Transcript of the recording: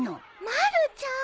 まるちゃん。